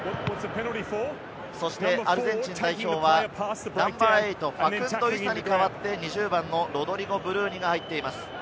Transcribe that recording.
そしてアルゼンチン代表はナンバー８、ファクンド・イサに代わって、２０番のロドリゴ・ブルーニが入っています。